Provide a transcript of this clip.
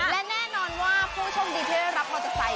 และแน่นอนว่าผู้ชมดีเที่ยวรับของเธอใจ